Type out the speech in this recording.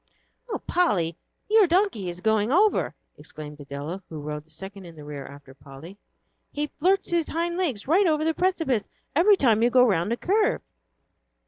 "Oh, Polly, your donkey is going over," exclaimed Adela, who rode the second in the rear after Polly; "he flirts his hind legs right over the precipice every time you go round a curve."